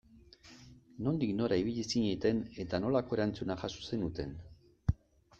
Nondik nora ibili zineten eta nolako erantzuna jaso zenuten?